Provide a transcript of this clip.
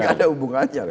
gak ada hubungannya